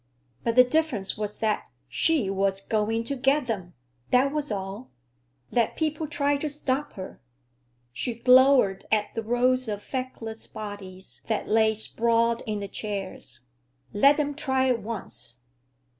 But the difference was that she was going to get them! That was all. Let people try to stop her! She glowered at the rows of feckless bodies that lay sprawled in the chairs. Let them try it once!